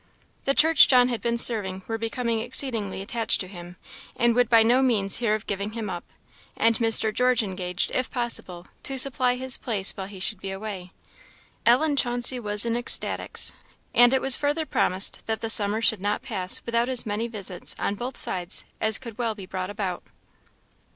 The church John had been serving were becoming exceedingly attached to him, and would by no means hear of giving him up; and Mr. George engaged, if possible, to supply his place while he should be away. Ellen Chauncey was in ecstatics. And it was further promised that the summer should not pass without as many visits on both sides as could well be brought about.